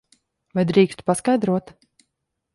Vai drīkstu paskaidrot?